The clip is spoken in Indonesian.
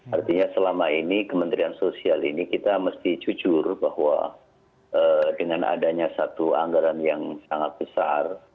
artinya selama ini kementerian sosial ini kita mesti jujur bahwa dengan adanya satu anggaran yang sangat besar